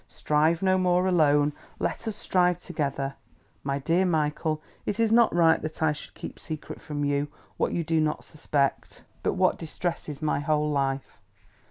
Strive no more alone; let us strive together. My dear Michael, it is not right that I should keep secret from you what you do not suspect, but what distresses my whole life.